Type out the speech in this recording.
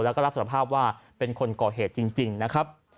แล้วก็รับสารภาพว่าเป็นคนก่อเหตุจริงนะครับ